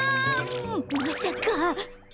まさか。